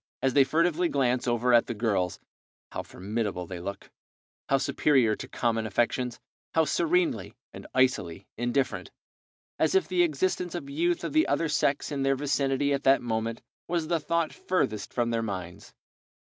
As they furtively glance over at the girls, how formidable they look, how superior to common affections, how serenely and icily indifferent, as if the existence of youth of the other sex in their vicinity at that moment was the thought furthest from their minds!